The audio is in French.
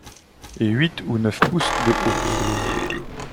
et huit ou neuf pouces de haut.